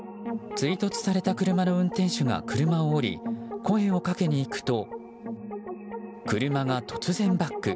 追突された車の運転手が車を降り声をかけに行くと車が突然バック。